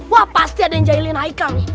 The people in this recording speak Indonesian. wah pasti ada yang jahilin aikal nih